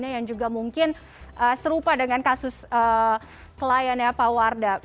yang juga mungkin serupa dengan kasus kliennya pak wardah